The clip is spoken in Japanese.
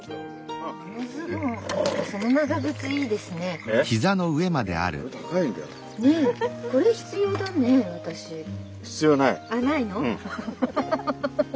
あっないの？